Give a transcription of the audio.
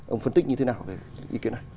ông phân tích như thế nào về ý kiến này